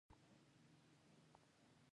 دښمن له نېکمرغۍ سره جنګیږي